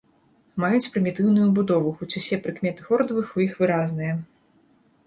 Маюць прымітыўную будову, хоць усе прыкметы хордавых у іх выразныя.